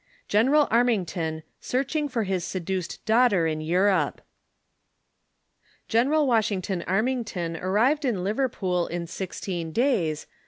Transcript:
GENERAL ARMINGTON SEARCHING FOR HIS SEDUCED DAUGHTER IN EUROPE. EXERAL WASIIIXGT0:N' ARMINGTON ar rived in Liverpool in sixteen days.